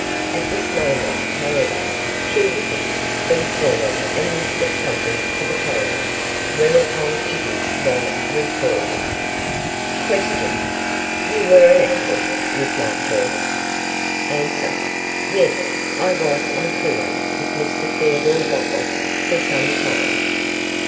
At this moment, however, Kilsip bent forward and whispered something to the Coroner, whereupon Kitty was recalled. Q. You were an actress, Miss Marchurst? A. Yes. I was on tour with Mr Theodore Wopples for some time.